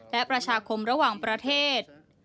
และประชาคมระหว่างประเทศ